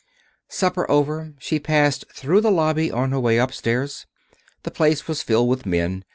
Supper over she passed through the lobby on her way upstairs. The place was filled with men.